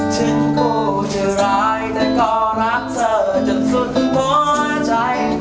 ถึงกูจะร้ายแต่ก็รักเธอจนสุดหัวใจ